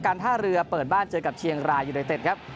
ท่าเรือเปิดบ้านเจอกับเชียงรายยูไนเต็ดครับ